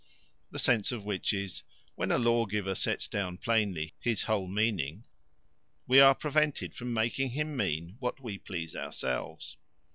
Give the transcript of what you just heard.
_" The sense of which is, "When a lawgiver sets down plainly his whole meaning, we are prevented from making him mean what we please ourselves."